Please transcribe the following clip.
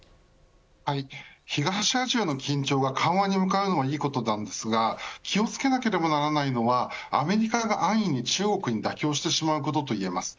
東アジアの緊張が緩和に向かうのはいいことですが気をつけなければならないのはアメリカが安易に中国に妥協してしまうことといえます。